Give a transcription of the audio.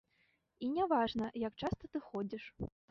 І не важна, як часта ты ходзіш.